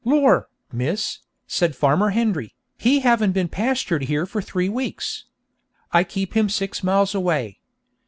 "Lor', miss!" said Farmer Hendry, "he haven't been pastured here for three weeks. I keep him six mile away.